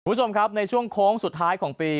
คุณผู้ชมครับในช่วงโค้งสุดท้ายของปี